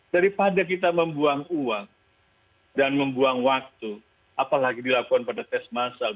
daripada kita membuang uang dan membuang waktu apalagi dilakukan pada tes masal